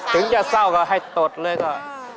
ถึงจะเศร้าก็ให้ตดเลยก็